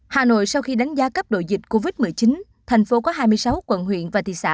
hà nội sau khi đánh giá cấp độ dịch covid một mươi chín thành phố có hai mươi sáu quận huyện và thị xã